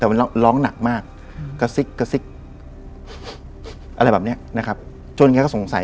แต่มันร้องร้องหนักมากอะไรแบบเนี้ยนะครับจนแกก็สงสัย